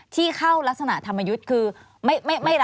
ที่เข้ารักษณะธรรมยุทธคือไม่รับเอง